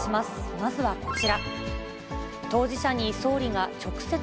まずはこちら。